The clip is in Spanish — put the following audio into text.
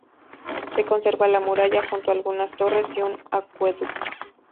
Se conserva la muralla junto a algunas torres y un acueducto.